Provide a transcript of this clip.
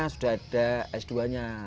sudah ada s dua nya